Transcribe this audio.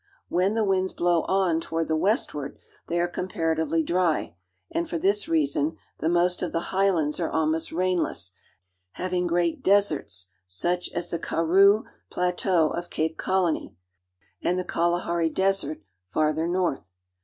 When the winds blow on toward the west ward, they are comparatively dry, and for this reason the most of the highlands are almost rainless, having great deserts such as the Karroo (kar roo') plateau of Cape Colony and the Kalahari (ka la ha'rl) Desert farther north.